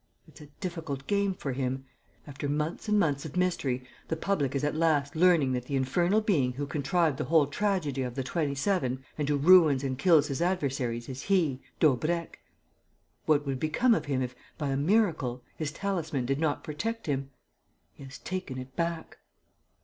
It's a difficult game for him. After months and months of mystery, the public is at last learning that the infernal being who contrived the whole tragedy of the Twenty Seven and who ruins and kills his adversaries is he, Daubrecq. What would become of him if, by a miracle, his talisman did not protect him? He has taken it back."